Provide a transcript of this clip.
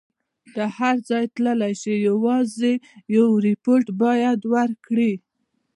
ته هر ځای تللای شې، یوازې یو ریپورټ باید وکړي.